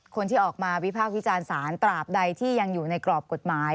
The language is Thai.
คนที่ออกมาวิภาควิจารณ์สารตราบใดที่ยังอยู่ในกรอบกฎหมาย